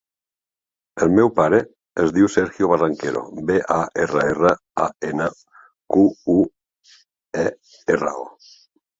El meu pare es diu Sergio Barranquero: be, a, erra, erra, a, ena, cu, u, e, erra, o.